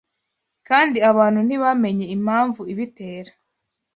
kandi abantu ntibamenye Impamvu ibitera